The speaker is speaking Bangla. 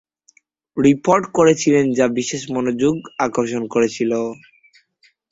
রিপোর্ট করেছিলেন যা বিশেষ মনোযোগ আকর্ষণ করেছিল।